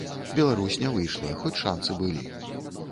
Беларусь не выйшла, хоць шанцы былі.